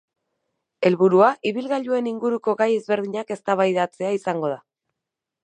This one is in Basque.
Helburua, ibilgailuen inguruko gai ezberdinak eztabaidatzea izango da.